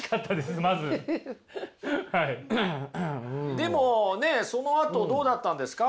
でもねそのあとどうだったんですか？